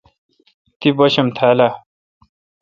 تی باشم تھال اؘ۔